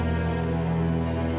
ya kita bisa ya pak